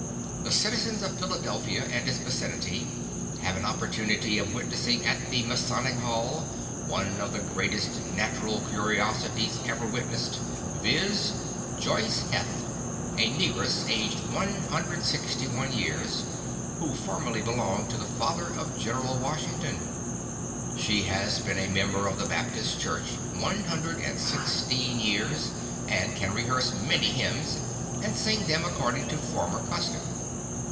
The citizens of Philadelphia and its vicinity have an opportunity of witnessing at the Masonic Hall, one of the greatest natural curiosities ever witnessed, viz: JOYCE HETH, a negress, aged 161 years, who formerly belonged to the father of General Washington. She has been a member of the Baptist Church one hundred and sixteen years, and can rehearse many hymns, and sing them according to former custom.